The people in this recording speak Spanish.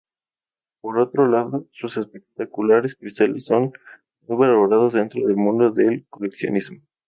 Por otro lado, sus espectaculares cristales son muy valorados dentro del mundo del coleccionismo.